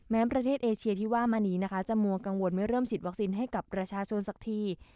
ประเทศเอเชียที่ว่ามานี้นะคะจะมัวกังวลไม่เริ่มฉีดวัคซีนให้กับประชาชนสักที